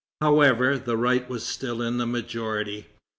However, the right was still in the majority.